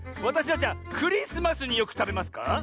わたしはじゃクリスマスによくたべますか？